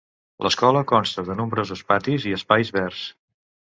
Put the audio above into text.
L'escola consta de nombrosos patis i espais verds.